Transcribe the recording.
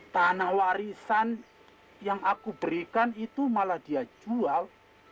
tanah warisan yang aku berikan itu malah dia jual